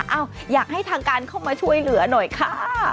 อยากให้ทางการเข้ามาช่วยเหลือหน่อยค่ะ